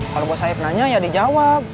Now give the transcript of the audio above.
kalau buat saya penanya ya dijawab